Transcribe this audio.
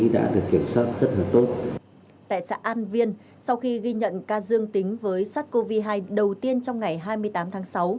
tại xã an viên sau khi ghi nhận ca dương tính với sars cov hai đầu tiên trong ngày hai mươi tám tháng sáu